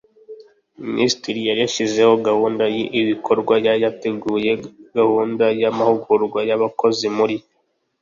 Minisiteri yashyizeho gahunda y ibikorwa ya yateguye gahunda y amahugurwa y abakozi muri